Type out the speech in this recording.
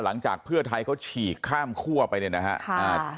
หลังจากเพื่อไทยเขาฉีกข้ามคั่วไปเนี่ยนะครับ